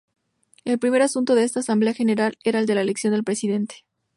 El primer asunto de esta asamblea general era el de la elección del Presidente.